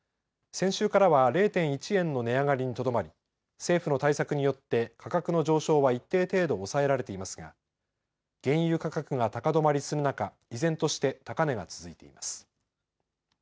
先週からは０．１円の値上がりにとどまり政府の対策によって価格の上昇は一定程度抑えられていますが原油価格が高止まりする中、依然として高値が続いています。